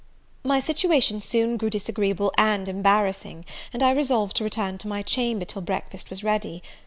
My situation soon grew disagreeable and embarrassing, and I resolved to return to my chamber till breakfast was ready.